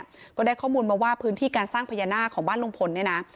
ก็ได้ข้อมูลมาว่าพื้นที่การสร้างพญานาคของบ้านลุงพลเนี่ยนะ